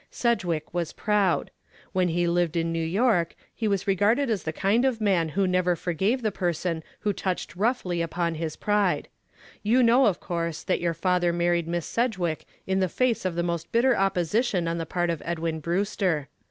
Sedgwick was proud. When he lived in New York, he was regarded as the kind of man who never forgave the person who touched roughly upon his pride. You know, of course, that your father married Miss Sedgwick in the face of the most bitter opposition on the part of Edwin Brewster.